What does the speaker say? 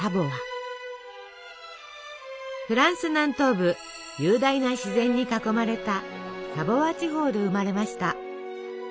フランス南東部雄大な自然に囲まれたサヴォワ地方で生まれました。